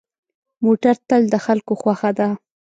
موټر تل د خلکو خوښه ده.